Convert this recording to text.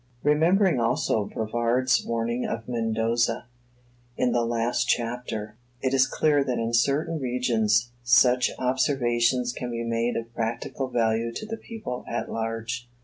Remembering also Bravard's warning of Mendoza, in the last chapter, it is clear that in certain regions such observations can be made of practical value to the people at large.